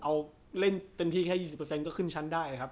เอาเล่นเต็มที่แค่๒๐ก็ขึ้นชั้นได้ครับ